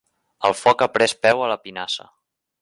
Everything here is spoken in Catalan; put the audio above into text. El foc ha pres peu a la pinassa.